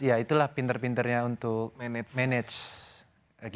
ya itulah pinter pinternya untuk management